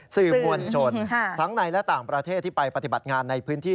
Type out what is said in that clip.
สื่อมวลชนทั้งในและต่างประเทศที่ไปปฏิบัติงานในพื้นที่